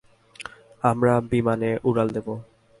আমরা বিমানে উড়াল দেবো।